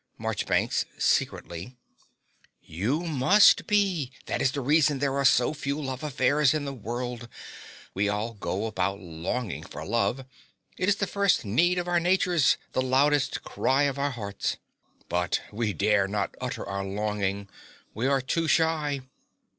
MARCHBANKS (secretly). You must be: that is the reason there are so few love affairs in the world. We all go about longing for love: it is the first need of our natures, the loudest cry Of our hearts; but we dare not utter our longing: we are too shy.